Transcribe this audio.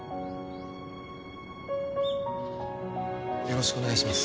よろしくお願いします